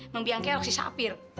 membiang kelok si sapir